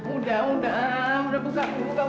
udah udah udah buka